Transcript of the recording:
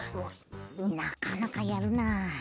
なかなかやるな。